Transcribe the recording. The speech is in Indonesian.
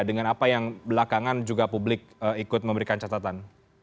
dengan apa yang belakangan juga publik ikut memberikan catatan